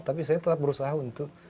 tapi saya tetap berusaha untuk